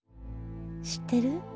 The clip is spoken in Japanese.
「知ってる？